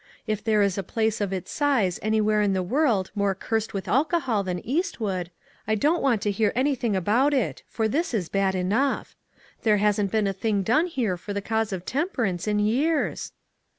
If there is a place of its size anywhere in the world more cursed with alcohol than Eastwood, I don't want to hear anything about it, for this is bad enough. There hasn't been a thing done here for the cause of temperance in years